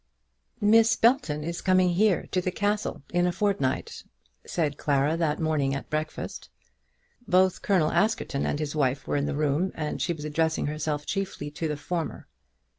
"Miss Belton is coming here, to the castle, in a fortnight," said Clara that morning at breakfast. Both Colonel Askerton and his wife were in the room, and she was addressing herself chiefly to the former.